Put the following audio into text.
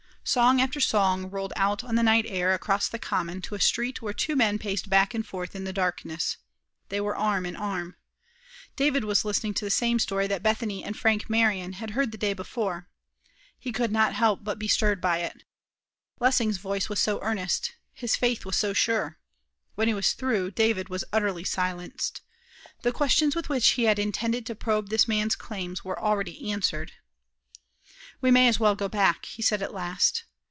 Song after song rolled out on the night air across the common to a street where two men paced back and forth in the darkness. They were arm in arm. David was listening to the same story that Bethany and Frank Marion had heard the day before. He could not help but be stirred by it. Lessing's voice was so earnest, his faith was so sure. When he was through, David was utterly silenced. The questions with which he had intended to probe this man's claims were already answered. "We might as well go back," he said at last.